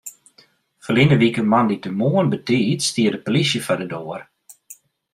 Ferline wike moandeitemoarn betiid stie de polysje foar de doar.